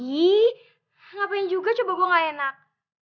nah ngapain juga coba gue gak enak